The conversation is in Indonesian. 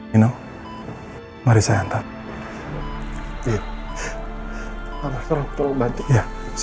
kita bersama sama jemput ibu elsa